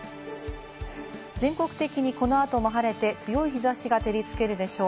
全国的にこのあとも晴れて強い日差しが照りつけるでしょう。